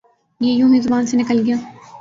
یہ یونہی زبان سے نکل گیا